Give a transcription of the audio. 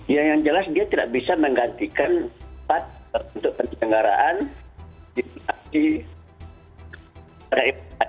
ya yang jelas dia tidak bisa menggantikan tempat untuk penyelenggaraan di aksi